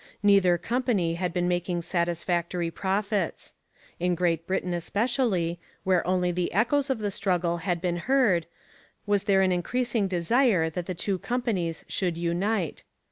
Neither company had been making satisfactory profits. In Great Britain especially, where only the echoes of the struggle had been heard, was there an increasing desire that the two companies should unite.